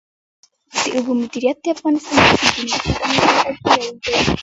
د اوبو مدیریت د افغانستان د سیندونو د ساتنې لپاره ډېر اړین دی.